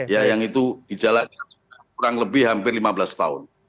ya yang itu gejalanya kurang lebih hampir lima belas tahun